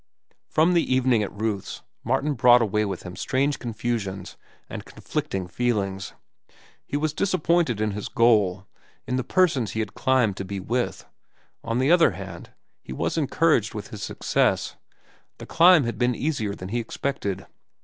From the evening at Ruth's Martin brought away with him strange confusions and conflicting feelings. He was disappointed in his goal, in the persons he had climbed to be with. On the other hand, he was encouraged with his success. The climb had been easier than he expected.